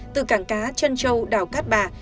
từ cảng cá trân châu đảo cát bà